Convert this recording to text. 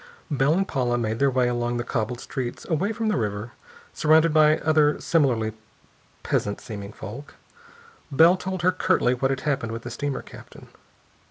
Bell and Paula made their way along the cobbled streets away from the river, surrounded by other similarly peasant seeming folk. Bell told her curtly what had happened with the steamer captain.